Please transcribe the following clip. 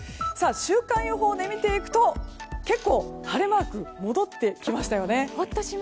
週間予報で見ていくと結構、晴れマークが戻ってきましたよね。